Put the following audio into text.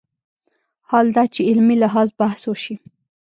حال دا چې علمي لحاظ بحث وشي